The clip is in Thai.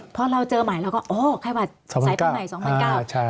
พอเราเจอใหม่แล้วก็โอ้วไข้หวัดสายภัณฑ์ใหม่๒๐๑๙